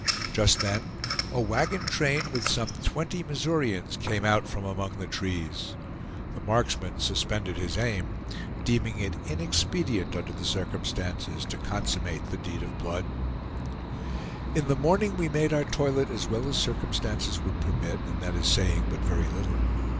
Just then a wagon train, with some twenty Missourians, came out from among the trees. The marksman suspended his aim, deeming it inexpedient under the circumstances to consummate the deed of blood. In the morning we made our toilet as well as circumstances would permit, and that is saying but very little.